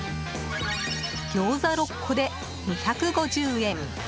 ギョーザ６個で２５０円